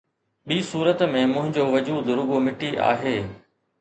ٻي صورت ۾ منهنجو وجود رڳو مٽي آهي.